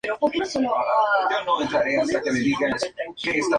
Esto no fue verificado de inmediato.